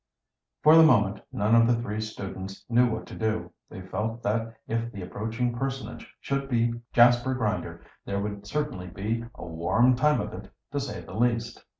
For the moment none of the three students knew what to do. They felt that if the approaching personage should be Jasper Grinder there would certainly be "a warm time of it," to say the least.